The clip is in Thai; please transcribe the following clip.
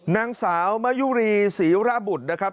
นางสาวมะยุรีศรีระบุตรนะครับ